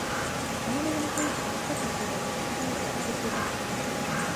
ラーメン屋の店主が近くのスーパーで食材を調達してた